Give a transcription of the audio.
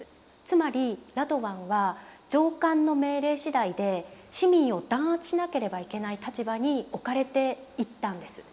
つまりラドワンは上官の命令しだいで市民を弾圧しなければいけない立場に置かれていったんです。